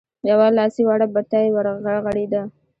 يوه لاسي وړه بتۍ ورغړېده.